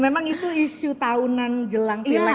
memang itu isu tahunan jelang pilek ya